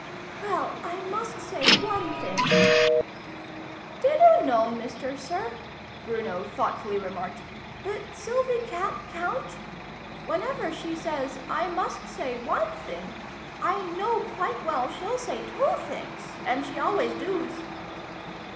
" Well, I must say one thing "" Did oo know, Mister Sir," Bruno thought fully remarked, " that Sylvie ca'n't count ? Whenever she says ' I must say one thing,' I know quite well she'll say two things ! And she always doos."